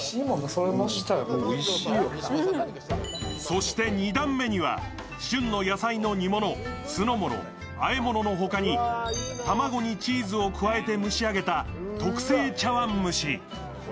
そして２段目には、旬の野菜の煮物、酢の物、和え物のほかに卵にチーズを加えて蒸し上げた特製茶わん蒸し。